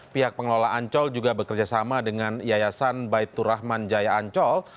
pihak pengelola ancol juga bekerjasama dengan yayasan baitur rahman jaya ancol